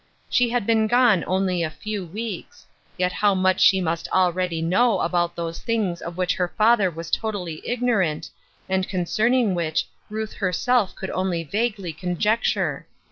She had been gone only a few weeks ; yet how much she must already know about those things of which her father was totally ignorant, and concerning which Ruth herself could only vaguely conjecture.